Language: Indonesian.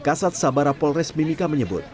kasat sabara polres mimika menyebut